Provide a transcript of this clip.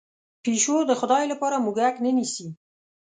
پشو د خدای لپاره موږک نه نیسي.